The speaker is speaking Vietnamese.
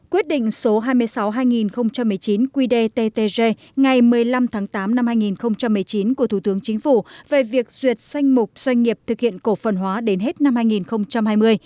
quyết định số hai mươi sáu hai nghìn một mươi chín qdttg ngày một mươi năm tháng tám năm hai nghìn một mươi chín của thủ tướng chính phủ về việc duyệt sanh mục doanh nghiệp thực hiện cổ phần hóa đến hết năm hai nghìn hai mươi